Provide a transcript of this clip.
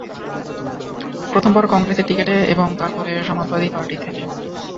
প্রথমবার কংগ্রেসের টিকিটে এবং তারপরে সমাজবাদী পার্টি থেকে।